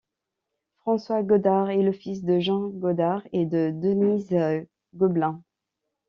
François Gaudart est le fils de Jean Gaudart et de Denise Gobelin.